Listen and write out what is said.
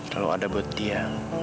lalu ada buat dia